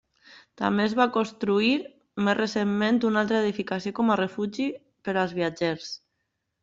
També es va construir més recentment una altra edificació com a refugi per als viatgers.